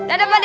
udah pak d